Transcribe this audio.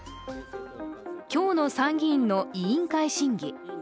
今日の参議院の委員会審議。